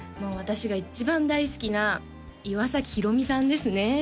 私が一番大好きな岩崎宏美さんですね